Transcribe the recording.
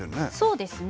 そうですね。